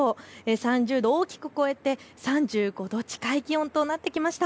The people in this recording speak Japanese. ３０度を大きく超えて３５度近い気温となってきました。